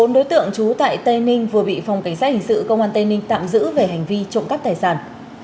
bốn đối tượng trú tại tây ninh vừa bị phòng cảnh sát hình sự công an tây ninh tạm giữ về hành vi trộm cắp tài sản